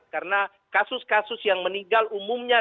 karena kasus kasus yang meninggal umumnya